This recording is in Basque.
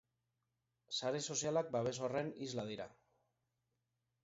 Sare sozialak babes horren isla dira.